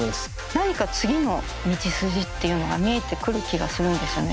何か次の道筋っていうのが見えてくる気がするんですよね。